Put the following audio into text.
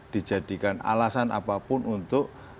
dijadikan alasan apapun untuk